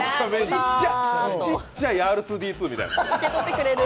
ちっちゃいＲ２−Ｄ２みたいな。